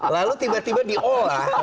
lalu tiba tiba diolah